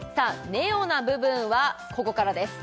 ネオな部分はここからです